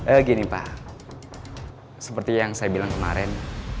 eh gini pak seperti yang saya bilang kemarin